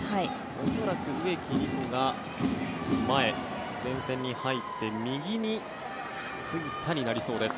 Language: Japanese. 恐らく植木理子が前前線に入って右に杉田になりそうです。